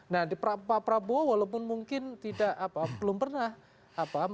nah di prabowo walaupun mungkin tidak belum pernah membangun